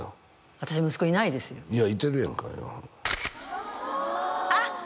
私息子いないですよいやいてるやんかあっ！